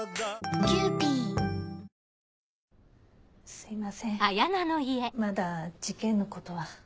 すいませんまだ事件のことは。